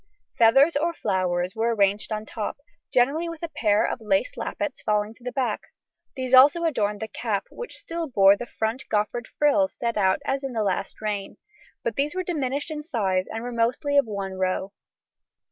Feathers or flowers were arranged on top, generally with a pair of lace lappets falling to the back; these also adorned the cap, which still bore the front goffered frills set out as in the last reign, but these were diminished in size and were mostly of one row.